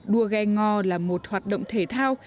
đua ghe ngò là một hoạt động thể thao